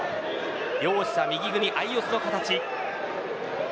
両者、相四つの形。